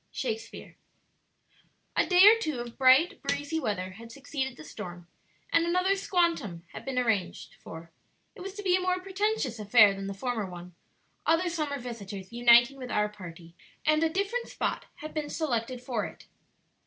Shakespeare. A day or two of bright, breezy weather had succeeded the storm, and another "squantum" had been arranged for; it was to be a more pretentious affair than the former one, other summer visitors uniting with our party; and a different spot had been selected for it.